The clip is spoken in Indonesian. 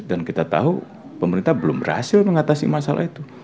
dan kita tahu pemerintah belum berhasil mengatasi masalah itu